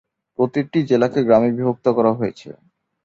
প্রতিটি জেলাকে গ্রামে বিভক্ত করা হয়েছে।